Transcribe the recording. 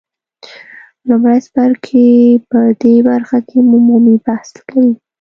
لومړی څپرکی په دې برخه کې عمومي بحث کوي.